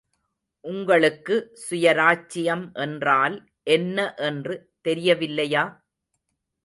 உங்களுக்கு சுயராச்சியம் என்றால் என்ன என்று தெரியவில்லையா?